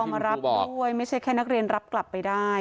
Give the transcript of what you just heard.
ก็ให้ผู้ปกครองมารับด้วยไม่ใช่แค่นักเรียนรับกลับไปได้